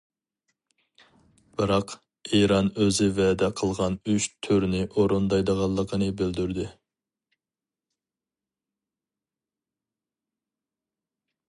بىراق ئىران ئۆزى ۋەدە قىلغان ئۈچ تۈرنى ئورۇندايدىغانلىقىنى بىلدۈردى.